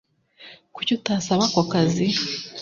kuki utasaba ako kazi